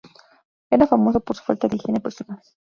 Era famoso por su falta de higiene personal.